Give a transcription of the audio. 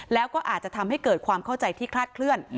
แล้วก็อาจจะทำให้เกิดความเข้าใจที่คลาดเคลื่อน